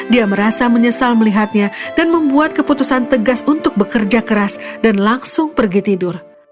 dia merasa menyesal melihatnya dan membuat keputusan tegas untuk bekerja keras dan langsung pergi tidur